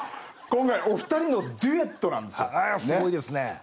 今回お二人のデュエットなんですよね。へすごいですね！